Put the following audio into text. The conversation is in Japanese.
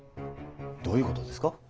どういうことですか。